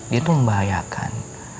dia tuh membahayakan